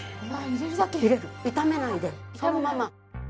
炒めないでそのまま？